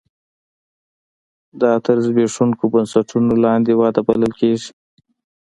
دا تر زبېښونکو بنسټونو لاندې وده بلل کېږي.